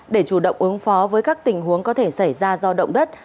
để chủ động ứng phó với các tình huống có thể xảy ra do động đất